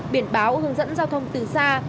biển báo hướng dẫn giao thông từ xa